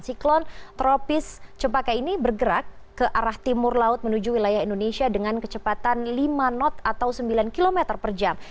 siklon tropis cempaka ini bergerak ke arah timur laut menuju wilayah indonesia dengan kecepatan lima knot atau sembilan km per jam